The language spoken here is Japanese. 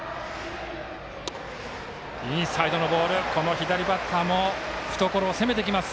左バッターも懐を攻めてきます。